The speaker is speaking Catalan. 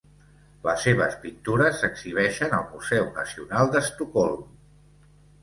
Les seves pintures s'exhibeixen al Museu Nacional d'Estocolm.